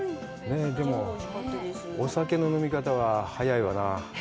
お酒の飲み方は、早いわな。